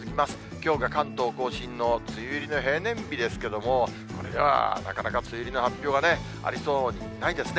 きょうが関東甲信の梅雨入りの平年日ですけれども、これではなかなか梅雨入りの発表がありそうにないですね。